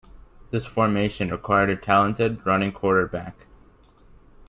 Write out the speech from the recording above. This formation required a talented, running quarterback.